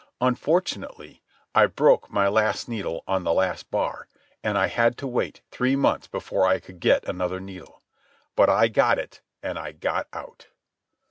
Unfortunately, I broke my last needle on the last bar, and I had to wait three months before I could get another needle. But I got it, and I got out.